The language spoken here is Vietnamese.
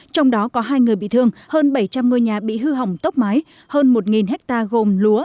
trong đó có hai người bị thương hơn bảy trăm linh ngôi nhà bị hư hỏng tốc mái hơn một ha gồm lúa